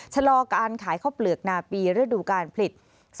ชะลอการขายข้อเปลือกณปีรูดูการผลิต๒๕๕๙๒๕๖๐